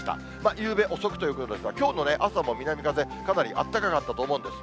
ゆうべ遅くということですが、きょうの朝も南風、かなりあったかかったと思うんです。